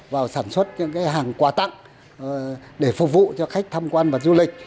vào sản xuất những hàng quà tặng để phục vụ cho khách tham quan và du lịch